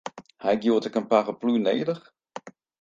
Ha ik hjoed in paraplu nedich?